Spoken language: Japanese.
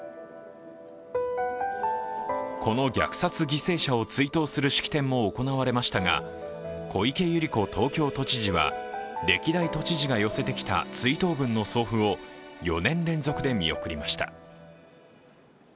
この虐殺犠牲者を追悼する式典も行われましたが小池百合子東京都知事は歴代都知事が寄せてきた追悼文の送付を４年連続で見送りました。